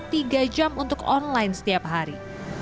tiga jam untuk online setiap hari